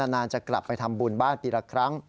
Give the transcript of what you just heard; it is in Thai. นานจะกลับไปทำบุญบ้านปีละครั้ง